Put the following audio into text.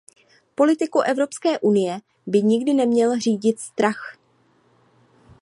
Politiku Evropské unie by nikdy neměl řídit strach.